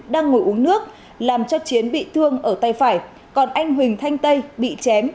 đang ngồi uống nước làm cho chiến bị thương ở tay phải còn anh huỳnh thanh tây bị chém